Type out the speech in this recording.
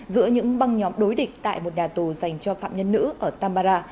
giữa những băng nhóm đối địch tại một nhà tù dành cho phạm nhân nữ ở tampara